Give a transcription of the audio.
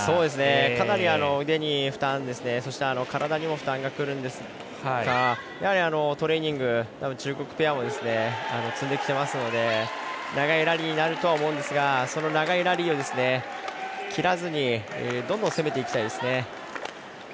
かなり、腕に負担そして体にも負担がくるんですがトレーニング、中国ペアも積んできていますので長いラリーになるとは思うんですがその長いラリーを切らずにどんどん攻めていきたいですね。